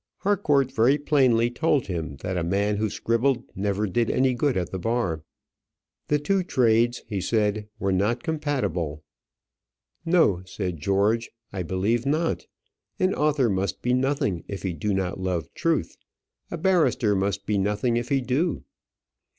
Harcourt very plainly told him that a man who scribbled never did any good at the bar. The two trades, he said, were not compatible. "No," said George, "I believe not. An author must be nothing if he do not love truth; a barrister must be nothing if he do."